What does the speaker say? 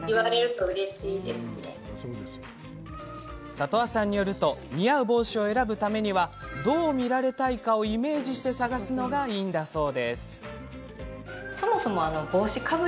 里和さんによると似合う帽子を選ぶためにはどう見られたいかをイメージして探すのがいいんだそう。